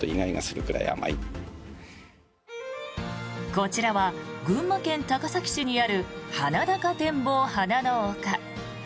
こちらは群馬県高崎市にある鼻高展望花の丘。